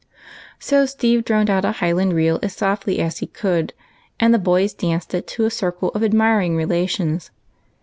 So Steve droned out a Highland reel as softly as he could, and the boys danced it to a circle of admiring relations.